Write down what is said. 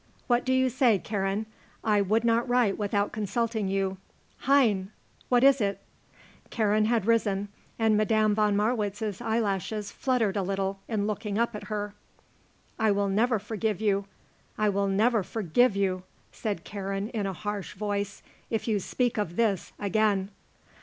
What do you say, Karen? I would not write without consulting you. Hein! What is it?" Karen had risen, and Madame von Marwitz's eyelashes fluttered a little in looking up at her. "I will never forgive you, I will never forgive you," said Karen in a harsh voice, "if you speak of this again."